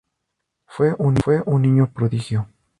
Fue un niño prodigio.